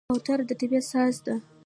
کوتره د طبیعت ساز ده.